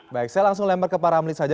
baik saya langsung lembar ke para amlit saja